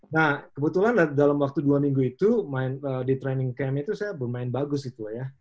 nah kebetulan dalam waktu dua minggu itu main di training camp itu saya bermain bagus gitu ya